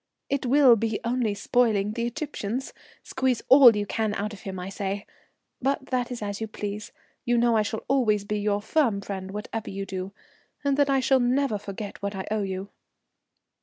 "It will be only spoiling the Egyptians! Squeeze all you can out of him, I say. But that is as you please. You know I shall always be your firm friend whatever you do, and that I shall never forget what I owe you."